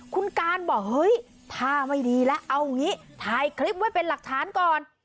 คุณการบอกเฮ้ยท่าไม่ดีแล้วเอางี้ถ่ายคลิปไว้เป็นหลักฐานก่อน